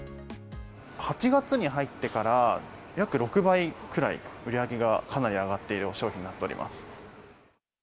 ８月に入ってから、約６倍くらい、売り上げがかなり上がっている商品になっております。